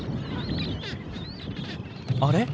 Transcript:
あれ？